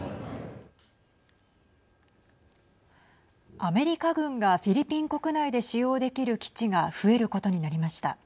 アメリカ軍がフィリピン国内で使用できる基地が増えることになりました。